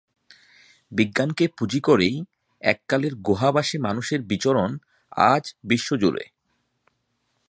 বিজ্ঞানকে পুঁজি করেই এককালের গুহাবাসী মানুষের বিচরণ আজ বিশ্বজুড়ে।